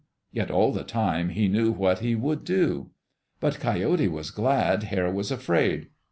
Yet all the time he knew what he would do. But Coyote was glad Hare was afraid.